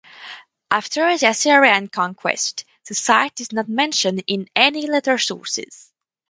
After the Assyrian conquest, the site is not mentioned in any later sources.